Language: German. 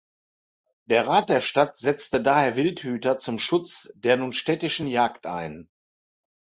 Der Rat der Stadt setzte daher Wildhüter zum Schutz der nun städtischen Jagd ein.